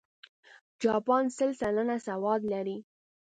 جاپان سل سلنه سواد لري.